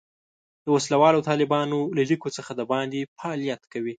د وسله والو طالبانو له لیکو څخه د باندې فعالیت کوي.